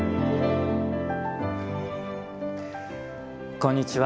こんにちは。